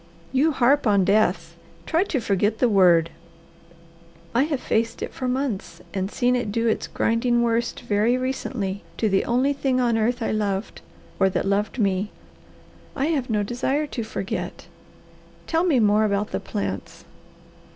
"You harp on death. Try to forget the word." "I have faced it for months, and seen it do its grinding worst very recently to the only thing on earth I loved or that loved me. I have no desire to forget! Tell me more about the plants."